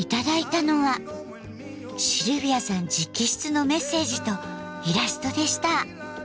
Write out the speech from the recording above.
シルビアさん直筆のメッセージとイラストでした。